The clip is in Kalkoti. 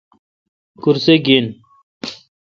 کرسہ گین۔